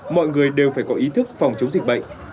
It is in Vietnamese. mọi người đều phải có ý thức phòng chống dịch bệnh